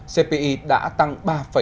cpi đã tăng ba chín mươi ba